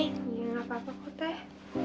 ya gapapa kok teh